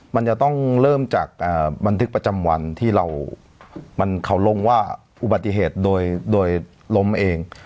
มันจะต้องเริ่มจากบันทึกประจำวันที่เรามันเขาลงว่าอุบัติเหตุโดยล้มเอง